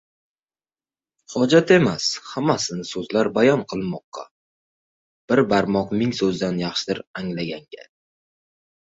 • Hojat emas, hammasini so‘zla bayon qilmoqqa, bir boqmoq ming so‘zdan yaxshidir anglaganga.